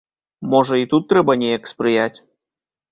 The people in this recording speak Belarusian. Можа, і тут трэба неяк спрыяць?